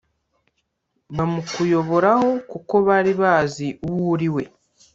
bamukuyoboraho kuko bari bazi uwo uriwe